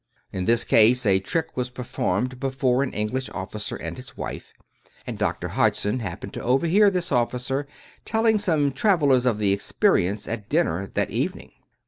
In this case, a trick was performed before an English officer and his wife, and Doctor Hodg son happened to overhear this officer telling some travelers of the experience at dinner that evening.